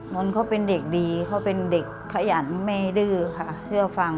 นนก็เป็นเด็กดีเป็นดิกขยันไม่ดื้อค่ะ